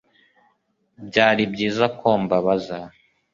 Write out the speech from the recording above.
Byari byiza ko mbabaza